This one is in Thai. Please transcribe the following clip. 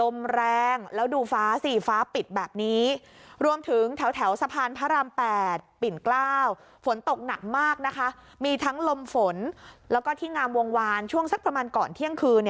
มีทั้งลมฝนแล้วก็ที่งามวงวานช่วงสักประมาณก่อนเที่ยงคืน